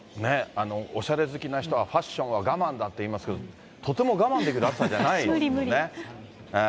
おしゃれ好きな人は、ファッションは我慢だっていいますけれども、とても我慢できる暑さじゃないですよね。